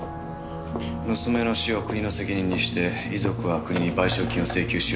娘の死を国の責任にして遺族は国に賠償金を請求しようとしてる。